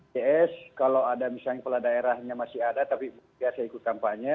cs kalau ada misalnya kepala daerahnya masih ada tapi biasa ikut kampanye